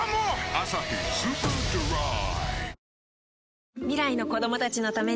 「アサヒスーパードライ」